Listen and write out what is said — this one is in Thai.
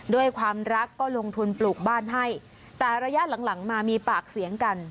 ด้วยความรักก็ลงทุนปลูกบ้านให้แต่ระยะหลังหลังมามีปากเสียงกัน